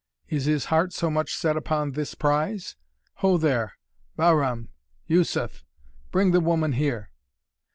"Is his heart so much set upon this prize? Ho there, Bahram Yussuff bring the woman here!"